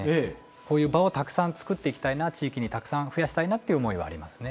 こういう場をたくさんつくっていきたいな地域にたくさん増やしたいなっていう思いはありますね。